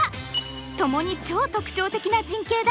共に超特徴的な陣形だ。